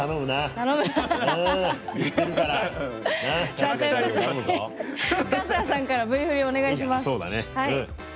春日さんからＶ振りお願いします。